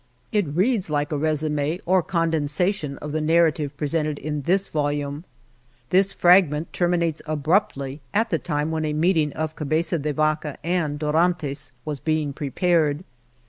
It reads like a resume, or condensation, of the narrative presented in this volume. This fragment terminates abruptly at the time when a meeting of Cabeza de Vaca and Do rantes was being prepared.